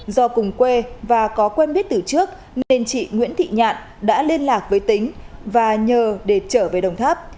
do cùng quê và có quen biết từ trước nên chị nguyễn thị nhạn đã liên lạc với tính và nhờ để trở về đồng tháp